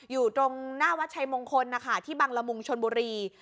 อยู่ตรงหน้าวัดชัยมงคลนะคะที่บังละมุงชนบุรี